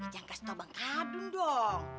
jangan kasih tau bang adun dong